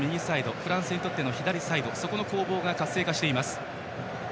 フランスにとっての左サイドの攻防が活性化しています。